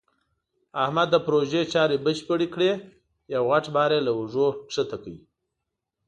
احمد د پروژې چارې بشپړې کړې. یو غټ بار یې له اوږو ښکته کړ.